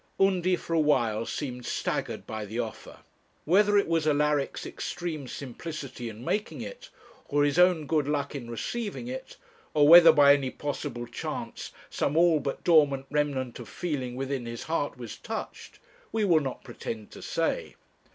Undy for a while seemed staggered by the offer. Whether it was Alaric's extreme simplicity in making it, or his own good luck in receiving it, or whether by any possible chance some all but dormant remnant of feeling within his heart was touched, we will not pretend to say.